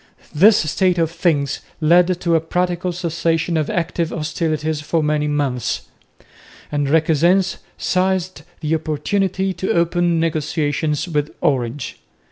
This state of things led to a practical cessation of active hostilities for many months; and Requesens seized the opportunity to open negotiations with Orange.